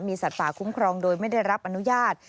สัตว์ป่าคุ้มครองโดยไม่ได้รับอนุญาต